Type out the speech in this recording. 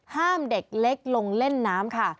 ห้ามเด็กเล็กลงเล่นน้ำค่ะ